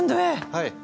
はい。